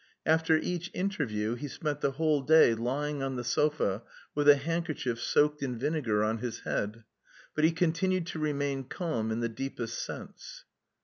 After each interview he spent the whole day lying on the sofa with a handkerchief soaked in vinegar on his head. But he continued to remain calm in the deepest sense.